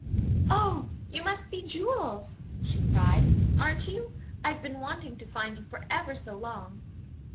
"Oh, you must be Jules," she cried. "Aren't you? I've been wanting to find you for ever so long."